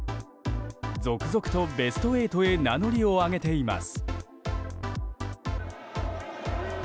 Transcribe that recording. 続々とベスト８へ名乗りを上げています。